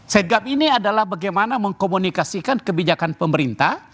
setgam ini adalah bagaimana mengkomunikasikan kebijakan pemerintah